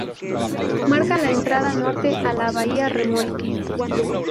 Marca la entrada norte a la bahía Remolque.